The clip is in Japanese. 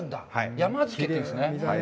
山漬けというんですね。